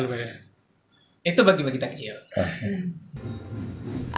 itu bagi bagi takjil